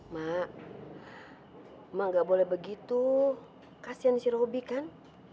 mak mak gak boleh begitu kasihan si robi kan